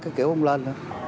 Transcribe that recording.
cái kiểu ông lên